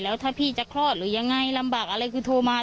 แล้วถ้าพี่จะคลอดหรือยังไงลำบากอะไรคือโทรมา